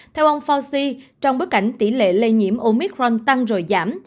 theo ông fauxi trong bối cảnh tỷ lệ lây nhiễm omicron tăng rồi giảm